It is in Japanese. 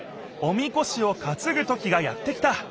おみこしをかつぐときがやって来た。